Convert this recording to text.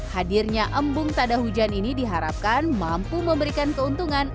hadirnya embung tada hujan ini diharapkan mampu memberikan keuntungan